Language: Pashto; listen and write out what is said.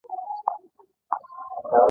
پښتو زموږ ژبه ده